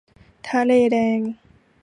ทะเลแดง